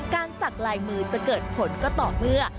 สักลายมือจะเกิดผลก็ต่อเมื่อ